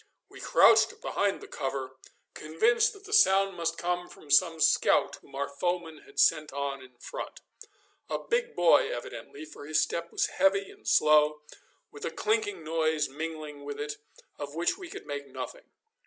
We crouched behind the cover, convinced that the sound must come from some scout whom our foemen had sent on in front a big boy evidently, for his step was heavy and slow, with a clinking noise mingling with it, of which we could make nothing.